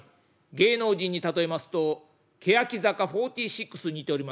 芸能人に例えますと欅坂４６に似ております」。